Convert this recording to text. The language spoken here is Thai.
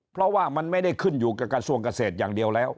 เพราะว่ามันไม่ได้ขึ้นอยู่กับกระทรวงเกษตรอย่างเดียวแล้ว